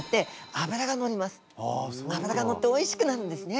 あぶらがのっておいしくなるんですね。